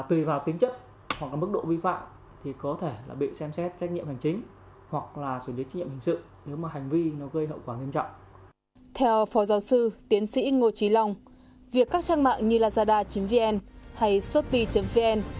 theo phó giáo sư tiến sĩ ngô trí long việc các trang mạng như nazara vn hay sopi vn